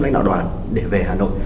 lãnh đạo đoàn để về hà nội